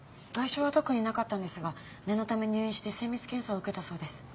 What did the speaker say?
外傷は特になかったんですが念のため入院して精密検査を受けたそうです。